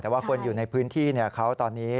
แต่ว่าคนอยู่ในพื้นที่เขาตอนนี้